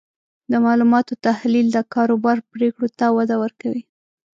د معلوماتو تحلیل د کاروبار پریکړو ته وده ورکوي.